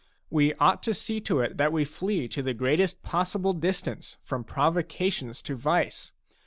We ought to see to it that we flee to the greatest possible distance from pro vocations to vice.